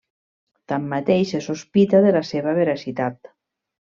Tanmateix, se sospita de la seva veracitat.